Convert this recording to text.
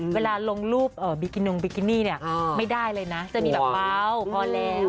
เวลาลงรูปบิกินิไม่ได้เลยนะจะมีแบบเบาพอแล้ว